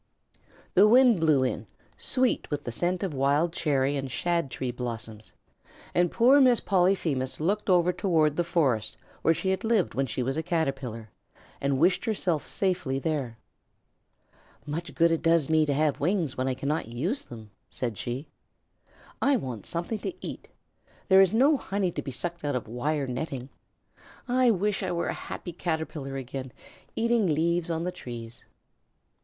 The wind blew in, sweet with the scent of wild cherry and shad tree blossoms, and poor Miss Polyphemus looked over toward the forest where she had lived when she was a Caterpillar, and wished herself safely there. "Much good it does me to have wings when I cannot use them," said she. "I want something to eat. There is no honey to be sucked out of wire netting. I wish I were a happy Caterpillar again, eating leaves on the trees."